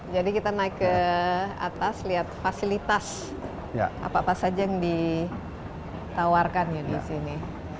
jadi kita naik ke atas lihat fasilitas apa apa saja yang ditawarkan ya di sini